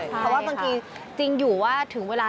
เพราะว่าบางทีจริงอยู่ว่าถึงเวลา